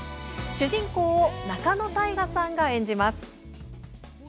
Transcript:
主人公を仲野太賀さんが演じます。